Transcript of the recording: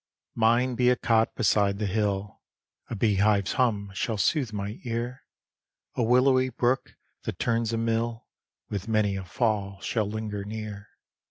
Mine be a cot beside the hill, A bee hive's hum shall sooth my ear; A willowy brook, that turns a mill, With many a fall shall linger near.